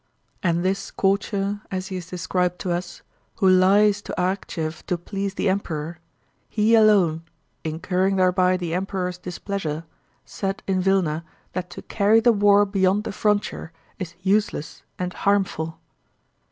And this courtier, as he is described to us, who lies to Arakchéev to please the Emperor, he alone—incurring thereby the Emperor's displeasure—said in Vílna that to carry the war beyond the frontier is useless and harmful.